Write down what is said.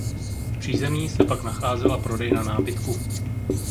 V přízemí se pak nacházela prodejna nábytku.